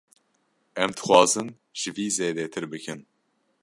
Em dixwazin ji vî zêdetir bikin.